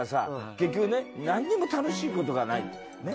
結局ねなんにも楽しいことがない。ね？